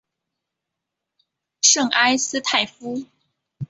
圣埃斯泰夫。